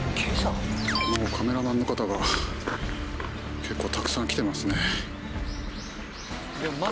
カメラマンの方が結構たくさん来てますね。